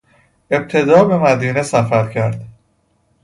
ابتدا به مدینه سفر کرد